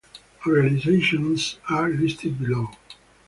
Organizations are listed below.